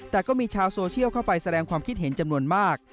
แต่ก็มีชาวโซเชียลเข้าไปแสดงความคิดเห็นจำนวนมาก